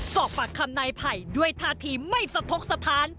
สอบปากคำนายไผ่ด้วยท่าทีไม่สะทกสถาน